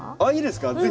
あっいいですか？